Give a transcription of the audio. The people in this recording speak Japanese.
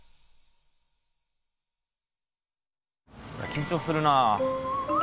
緊張するなあ。